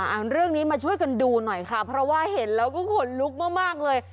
เอาเรื่องนี้มาช่วยกันดูหน่อยค่ะเพราะว่าเห็นแล้วก็ขนลุกมากมากเลย